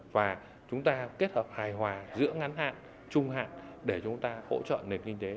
và chúng ta kết hợp hài hòa giữa ngắn hạn trung hạn để chúng ta hỗ trợ nền kinh tế